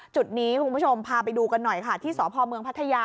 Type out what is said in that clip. จุดนี้คุณผู้ชมพาไปดูกันหน่อยค่ะที่สพเมืองพัทยา